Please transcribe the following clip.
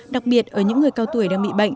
đặc biệt ở những người cao tuổi đang bị bệnh